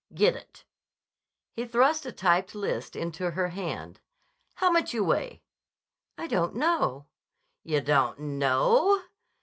"Gittit." He thrust a typed list into her hand. "How much you weigh?" "I don't know." "Yah don't _know?